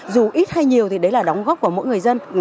dù ít hay nhiều thì đấy là đóng góp của mỗi người dân